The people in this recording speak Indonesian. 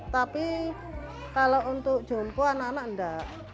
tapi kalau untuk jompo anak anak enggak